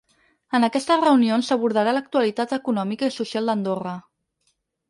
En aquestes reunions s’abordarà l’actualitat econòmica i social d’Andorra.